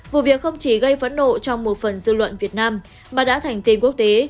vụ việc không chỉ gây phẫn nộ trong một phần dư luận việt nam mà đã thành tin quốc tế